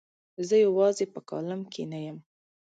زه یوازې په کالم کې نه یم.